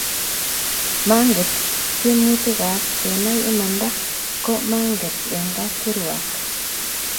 manget tiemutik ab kenai imanda ko manget eng kap kirwak